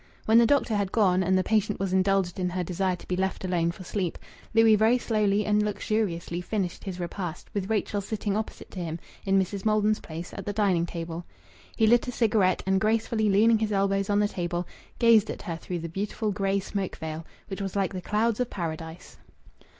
When the doctor had gone, and the patient was indulged in her desire to be left alone for sleep, Louis very slowly and luxuriously finished his repast, with Rachel sitting opposite to him, in Mrs. Maldon's place, at the dining table. He lit a cigarette and, gracefully leaning his elbows on the table, gazed at her through the beautiful grey smoke veil, which was like the clouds of Paradise.